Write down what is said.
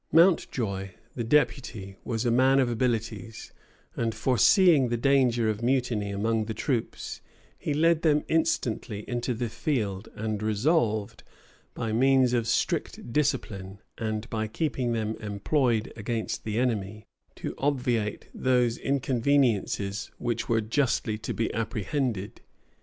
Mountjoy, the deputy, was a man of abilities; and foreseeing the danger of mutiny among the troops, he led them instantly into the field, and resolved, by means of strict discipline, and by keeping them employed against the enemy, to obviate those inconveniencies which were justly to be apprehended.